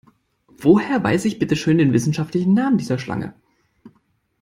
Woher weiß ich bitteschön den wissenschaftlichen Namen dieser Schlange?